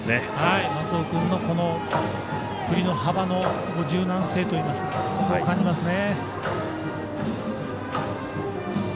松尾君の振りの幅の柔軟性といいますかそこを感じますね。